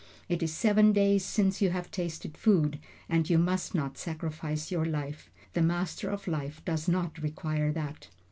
It is seven days since you have tasted food, and you must not sacrifice your life. The Master of Life does not require that."